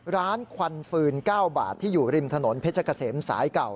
ควันฟืน๙บาทที่อยู่ริมถนนเพชรเกษมสายเก่า